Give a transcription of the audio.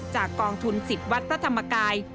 จากกองทุนศิษฐ์วัฒน์รัฐธรรมกาย